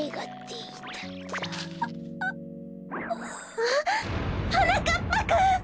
あっはなかっぱくん！